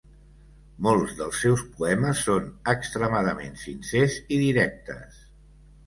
Molts dels seus poemes són extremadament sincers i directes.